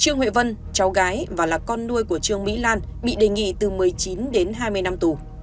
trương huệ vân cháu gái và là con nuôi của trương mỹ lan bị đề nghị từ một mươi chín đến hai mươi năm tù